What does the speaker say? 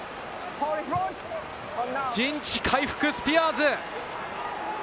陣地回復、スピアーズ。